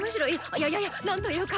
いやいやいや何と言うか。